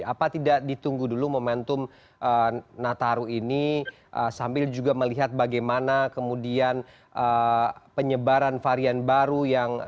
apa tidak ditunggu dulu momentum nataru ini sambil juga melihat bagaimana kemudian penyebaran varian baru yang